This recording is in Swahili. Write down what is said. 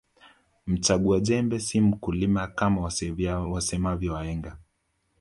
Mchagua jembe si mkulima Kama wasemavyo wahenga